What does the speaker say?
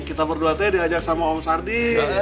kita berdua aja diajak sama om sarding